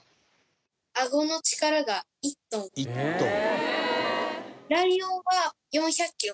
「１トン」